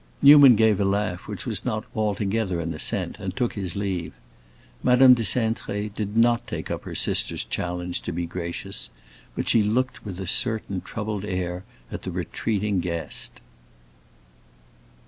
Newman gave a laugh which was not altogether an assent, and took his leave. Madame de Cintré did not take up her sister's challenge to be gracious, but she looked with a certain troubled air at the retreating guest.